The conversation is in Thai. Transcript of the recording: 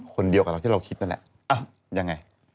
คนเดียวกับเราที่เราคิดนั่นแหละยังไง